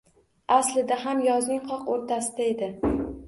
Aslida ham yozning qoq o’rtasida edi.